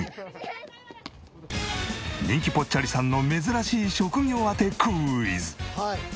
人気ぽっちゃりさんの珍しい職業当てクイズ。